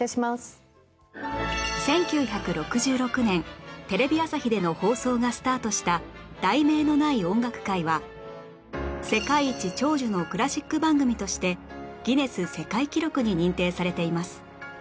１９６６年テレビ朝日での放送がスタートした『題名のない音楽会』は世界一長寿のクラシック番組としてギネス世界記録に認定されています